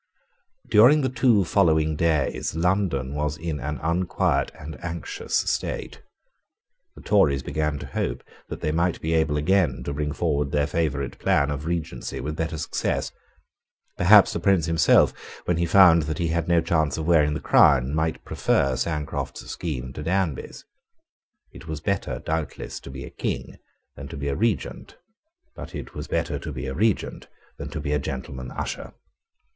During the two following days London was in an unquiet and anxious state. The Tories began to hope that they might be able again to bring forward their favourite plan of Regency with better success. Perhaps the Prince himself, when he found that he had no chance of wearing the crown, might prefer Sancroft's scheme to Danby's. It was better doubtless to be a King than to be a Regent: but it was better to be a Regent than to be a gentleman usher.